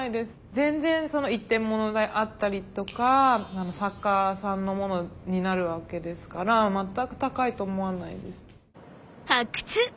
全然その１点ものであったりとか作家さんのものになるわけですから全く高いと思わないです。